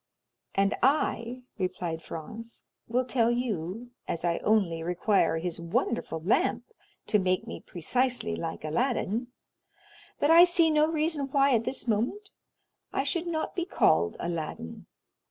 '" "And I," replied Franz, "will tell you, as I only require his wonderful lamp to make me precisely like Aladdin, that I see no reason why at this moment I should not be called Aladdin.